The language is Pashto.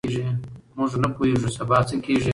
موږ نه پوهېږو سبا څه کیږي.